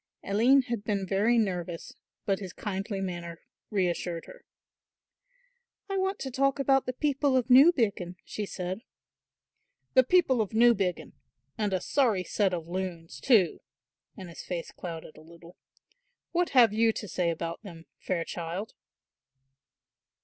Aline had been very nervous, but his kindly manner reassured her. "I want to talk about the people of Newbiggin," she said. "The people of Newbiggin! and a sorry set of loons, too!" and his face clouded a little. "What have you to say about them, fair child!"